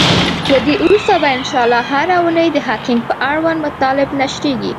له دی وروسته به ان شاءالله هره اونۍ د هکینګ اړوند مطالب نشریږی.